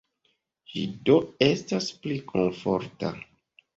Ĝi do estas pli komforta.